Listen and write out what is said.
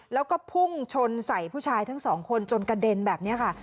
แล้วก็พุ่งชนใส่ผู้ชายทั้งสองคนจนกระเด็นแบบนี้ค่ะ